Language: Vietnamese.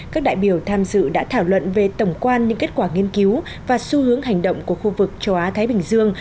các đại biểu tham dự đã thảo luận về tổng quan những kết quả nghiên cứu và xu hướng hành động của khu vực châu á thái bình dương